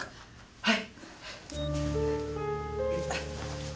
はい。